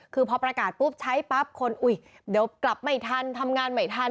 คือพอประกาศปุ๊บใช้ปั๊บคนอุ้ยเดี๋ยวกลับไม่ทันทำงานไม่ทัน